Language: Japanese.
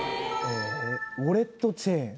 ウォレットチェーン。